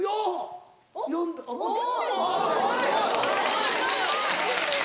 ・・すごい！